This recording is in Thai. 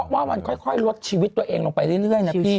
ว่ามันค่อยลดชีวิตตัวเองลงไปเรื่อยนะพี่